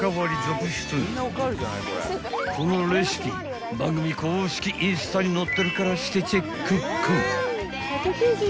［このレシピ番組公式インスタに載ってるからしてチェックック］